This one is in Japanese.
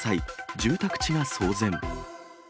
住宅地が騒然。